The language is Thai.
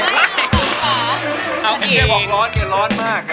แล้วยังออกไหวหรอเมื่อกี้เอาคาเทียบของร้อนค่ะร้อนมาก